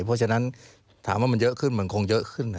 เพราะฉะนั้นถามว่ามันเยอะขึ้นมันคงเยอะขึ้น